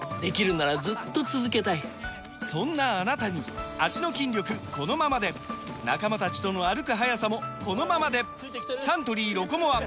そんなあなたに脚の筋力このままで仲間たちとの歩く速さもこのままでサントリー「ロコモア」！